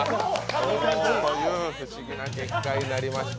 ドローという不思議な展開になりました。